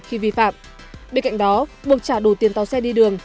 khi vi phạm bên cạnh đó buộc trả đủ tiền tàu xe đi đường